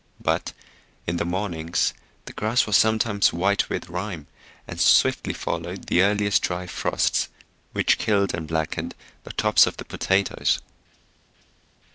But in the mornings the grass was sometimes white with rime, and swiftly followed the earliest dry frosts which killed and blackened the tops of the potatoes.